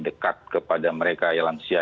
dekat kepada mereka ya lansia